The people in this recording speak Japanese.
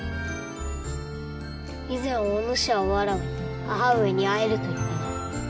以前おぬしはわらわに「母上に会える」と言ったな。